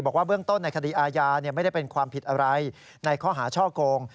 บอกว่าเบื้องต้นในคดีอาญาไม่ได้เป็นความผิดอะไรในข้อหาช่อโกง